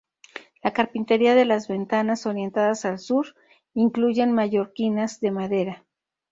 La carpintería de las ventanas orientadas al Sur incluyen mallorquinas de madera.